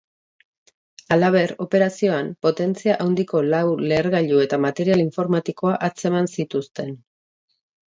Halaber, operazioan, potentzia handiko lau lehergailu eta material informatikoa atzeman zituzten.